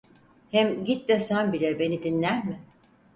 Hem git desem bile beni dinler mi?